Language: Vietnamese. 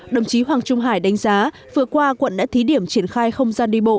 đồng chí hoàng trung hải đánh giá vừa qua quận đã thí điểm triển khai không gian đi bộ